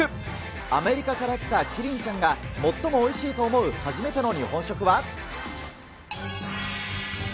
アメリカから来たキリンちゃんが最もおいしいと思う初めての日本食は。